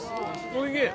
おいしい